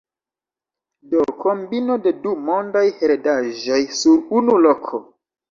Do kombino de du mondaj heredaĵoj sur unu loko.